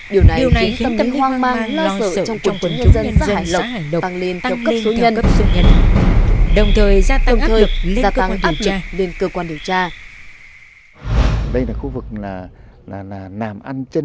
điều này khiến tâm lý hoang mang lo sợ trong trung quân dân dân dân xã hải lộc tăng lên theo cấp số nhân đồng thời gia tăng áp lực gia tăng áp trực lên cơ quan điều tra